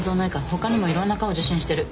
他にもいろんな科を受診してる